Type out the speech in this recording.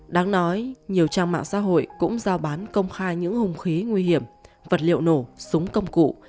đáng nói nhiều trang mạng xã hội cũng giao bán công khai những hùng khí nguy hiểm vật liệu nổ súng công cụ